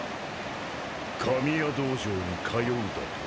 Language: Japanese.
神谷道場に通うだと？